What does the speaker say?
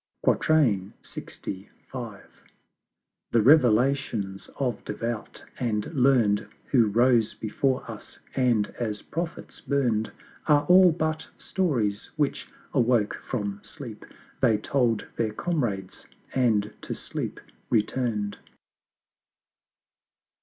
LXV. The Revelations of Devout and Learn'd Who rose before us, and as Prophets burn'd, Are all but Stories, which, awoke from Sleep They told their comrades, and to Sleep return'd.